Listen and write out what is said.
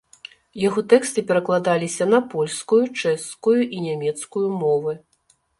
Яго тэксты перакладаліся на польскую, чэшскую і нямецкую мовы.